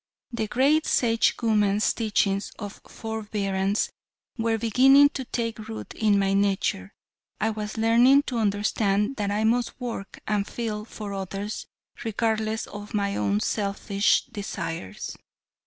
The great Sagewoman's teachings on forbearance were beginning to take root in my nature. I was learning to understand that I must work and feel for others, regardless of my own selfish desires.